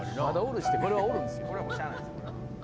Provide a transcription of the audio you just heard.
これはおるんすよ。